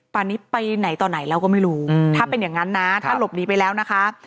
ตอนนี้ไปไหนต่อไหนแล้วก็ไม่รู้ถ้าเป็นอย่างนั้นนะถ้าหลบหนีไปแล้วนะคะ